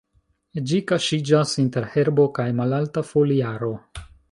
Ĝi kaŝiĝas inter herbo kaj malalta foliaro.